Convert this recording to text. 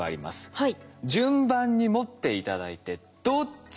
はい。